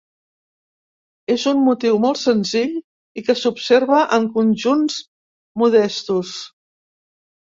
És un motiu molt senzill i que s'observa en conjunts modestos.